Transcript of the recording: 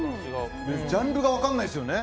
ジャンルが分からないですよね。